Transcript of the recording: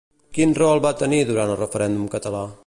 Quin rol va tenir durant el Referèndum català?